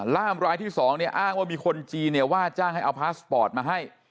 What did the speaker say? ล่ามรายที่๒เนี่ยอ้างว่ามีคนจีนเนี่ยว่าจ้างให้เอาพาสปอร์ตมาให้